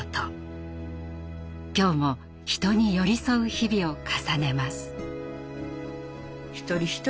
今日も人に寄り添う日々を重ねます。